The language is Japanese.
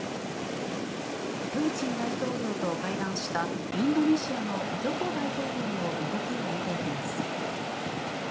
プーチン大統領と会談したインドネシアのジョコ大統領の動きを見ていきます。